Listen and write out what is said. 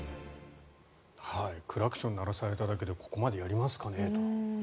クラクションを鳴らされただけでここまでやりますかね。